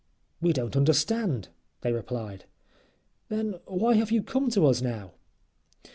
"We don't understand," they replied. "Then why have you come to us now?"